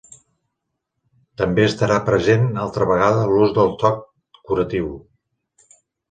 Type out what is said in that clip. També estarà present altra vegada l'ús del toc curatiu.